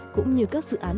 cũng như các dự án